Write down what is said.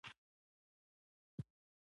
دا ډول زیاتره وخت په انجینرانو کې لیدل کیږي.